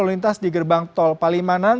lalu lintas di gerbang tol palimanan